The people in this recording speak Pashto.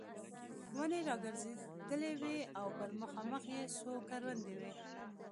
ونې را ګرځېدلې وې او پر مخامخ یې څو کروندې وې.